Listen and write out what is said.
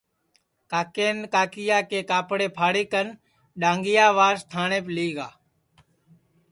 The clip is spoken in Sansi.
کاکین کاکِیا کے کاپڑے پھاڑی کن ڈؔاھنٚگِیا واس تھاٹؔینٚپ لی گِیا